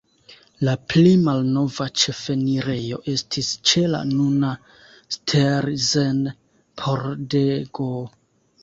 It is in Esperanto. La pli malnova ĉefenirejo estis ĉe la nuna Stelzen-pordego.